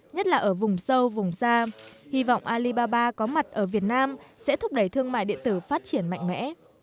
nhất là ở vùng sâu vùng xa hy vọng alibaba có mặt ở việt nam sẽ thúc đẩy thương mại điện tử phát triển mạnh mẽ